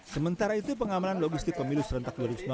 sementara itu pengamanan logistik pemilu serentak dua ribu sembilan belas